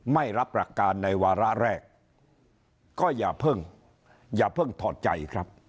ไม่รับหลักการในวาระแรกก็อย่าเพิ่งอย่าเพิ่งถอดใจครับ